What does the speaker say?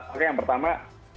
oke yang pertama